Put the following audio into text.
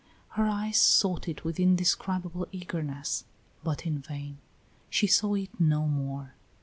Her eyes sought it with indescribable eagerness, but in vain; she saw it no more.